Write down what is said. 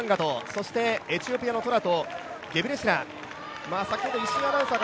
そして、エチオピアのトラとゲブレシラセ。